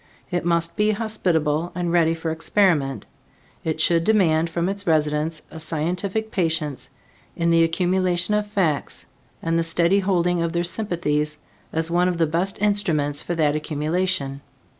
It must be hospitable and ready for experiment. It should demand from its residents a scientific patience in the accumulation of facts and the steady holding of their sympathies as one of the best instruments for that accumulation.